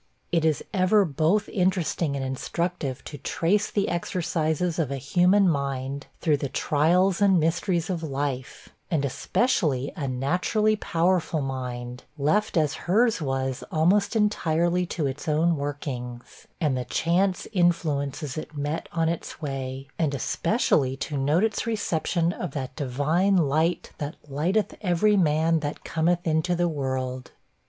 It is ever both interesting and instructive to trace the exercises of a human mind, through the trials and mysteries of life; and especially a naturally powerful mind, left as hers was almost entirely to its own workings, and the chance influences it met on its way; and especially to note its reception of that divine 'light, that lighteth every man that cometh into the world.'